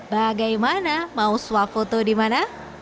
bagaimana mau suap foto di mana